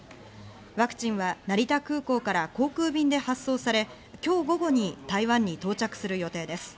ワクチンは成田空港から航空便で発送され、今日午後に台湾に到着する予定です。